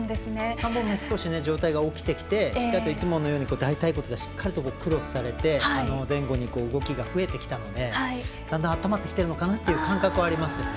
３本目、上体が起きてきてしっかりいつものように大たい骨がクロスされて前後に動きが増えてきたのでだんだん温まってきているのかなという感覚はありますね。